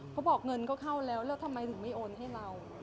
เขาบอกเงินก็เข้าแล้วแล้วทำไมถึงไม่โอนให้เรา